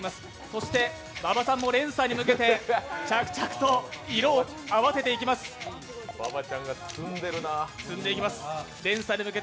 そして馬場さんも連鎖に向けて着々と色を合わせていきます。